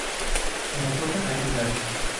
En la costa hay manglares.